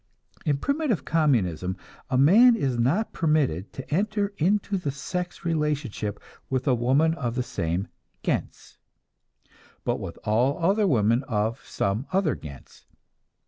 In primitive communism a man is not permitted to enter into the sex relationship with a woman of the same gens, but with all the women of some other gens.